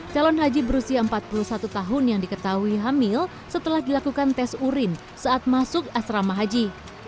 calon haji berusia empat puluh satu tahun yang diketahui hamil setelah dilakukan tes urin saat masuk asrama haji